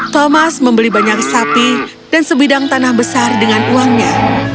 thomas membeli banyak sapi dan sebidang tanah besar dengan uangnya